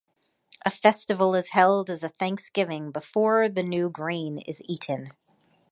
A festival is held as a thanksgiving before the new grain is eaten.